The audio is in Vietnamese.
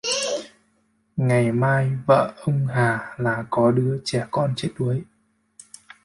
Ngày mai vợ ông Hà là có đứa trẻ con chết đuối